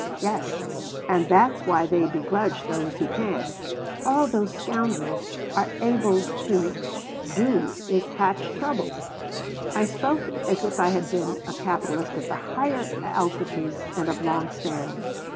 "Yes, and that's why they begrudge those who can. All those scoundrels are able to do is to hatch trouble." I spoke as if I had been a capitalist of the higher altitudes and of long standing.